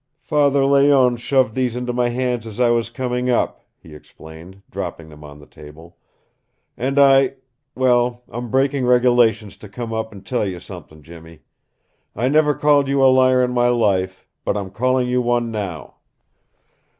"Father Layonne shoved these into my hands as I was coming up," he explained, dropping them on the table. "And I well I'm breaking regulations to come up an' tell you something, Jimmy. I never called you a liar in my life, but I'm calling you one now!"